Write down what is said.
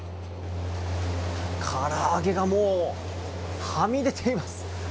から揚げがもう、はみ出ています。